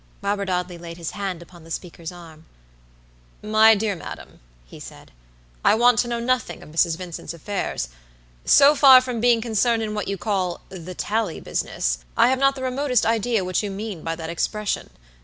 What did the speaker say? Robert Audley laid his hand upon the speaker's arm. "My dear madam," he said, "I want to know nothing of Mrs. Vincent's affairs. So far from being concerned in what you call the tally business, I have not the remotest idea what you mean by that expression.